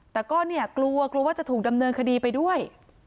แต่ก็เนี่ยกลัวกลัวว่าจะถูกดำเนินคดีไปด้วย